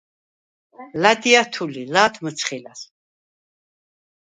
ლა̈დი ა̈თუ ლი, ლა̄თ მჷცხი ლა̈სვ.